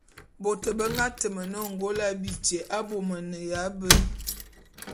Bôt be nga teme na Ôngôla bityé abômaneya be.